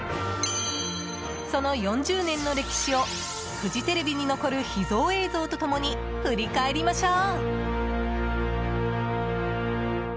その４０年の歴史をフジテレビに残る秘蔵映像と共に振り返りましょう！